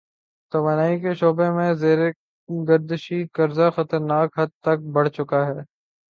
توانائی کے شعبے میں زیر گردشی قرضہ خطرناک حد تک بڑھ چکا ہے۔